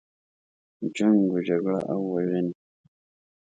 جنګ و جګړه او وژنې.